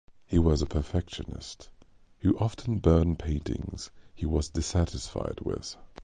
He was a perfectionist who often burned paintings he was dissatisfied with.